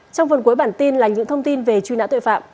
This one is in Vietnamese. trong phần cuối bản tin là những thông tin về truy nã tội phạm